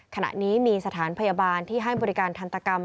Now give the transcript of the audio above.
ขณะนี้มีสถานพยาบาลที่ให้บริการทันตกรรม